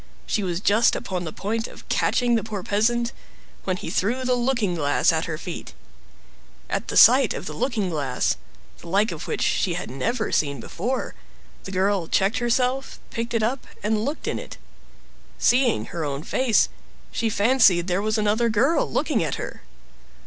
She was just upon the point of catching the poor peasant, when he threw the looking glass at her feet. At the sight of the looking glass, the like of which she had never seen before, the girl checked herself, picked it up, and looked in it. Seeing her own face, she fancied there was another girl looking at her.